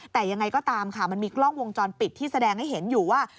แต่ยังไงก็ตามค่ะมันมีกล้องวงจรปิดที่แสดงให้เห็นอยู่ว่า